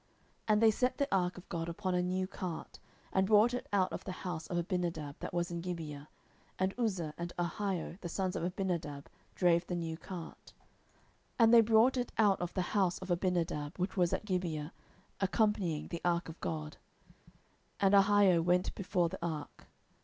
10:006:003 And they set the ark of God upon a new cart, and brought it out of the house of Abinadab that was in Gibeah: and Uzzah and Ahio, the sons of Abinadab, drave the new cart. 10:006:004 And they brought it out of the house of Abinadab which was at Gibeah, accompanying the ark of God: and Ahio went before the ark.